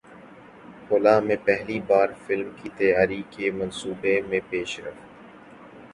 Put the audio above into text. خلا میں پہلی بار فلم کی تیاری کے منصوبے میں پیشرفت